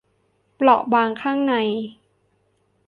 เปราะบางข้างใน